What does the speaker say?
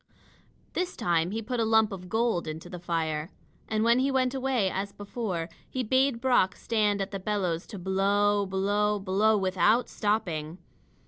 This time he put a lump of gold into the fire. And when he went away, as before, he bade Brock stand at the bellows to blow blow blow without stopping.